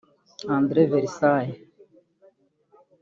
André Versaille